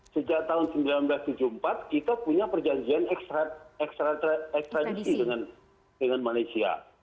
sejak tahun seribu sembilan ratus tujuh puluh empat kita punya perjanjian ekstradisi dengan malaysia